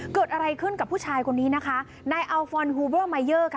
เกิดอะไรขึ้นกับผู้ชายคนนี้นะคะนายมาเยอะค่ะ